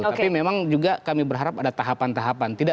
tapi memang juga kami berharap ada tahapan tahapan